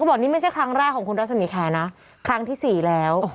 บอกนี่ไม่ใช่ครั้งแรกของคุณรัศมีแคร์นะครั้งที่สี่แล้ว